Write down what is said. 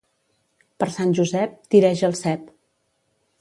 Per Sant Josep, tireja el cep.